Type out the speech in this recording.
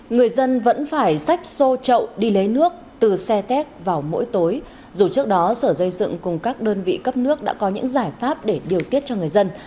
người dân vẫn phải sách sô trậu đi lấy nước từ xe tét vào mỗi tối dù trước đó sở dây dựng cùng các đơn vị cấp nước đã có những giải pháp để điều tiết cho người dân